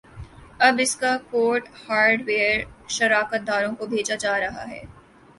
اب اسکا code hardware شراکت داروں کو بھیجا جارہا ہے